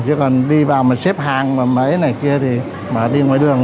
chứ còn đi vào mà xếp hàng mấy này kia thì đi ngoài đường